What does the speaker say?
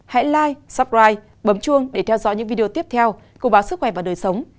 hãy like subscribe bấm chuông để theo dõi những video tiếp theo của báo sức khỏe và đời sống